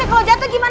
satu dua tiga